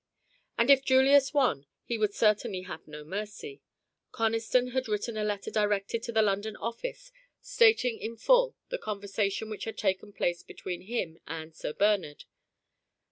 And if Julius won, he would certainly have no mercy. Conniston had written a letter directed to the London office stating in full the conversation which had taken place between him and Sir Bernard.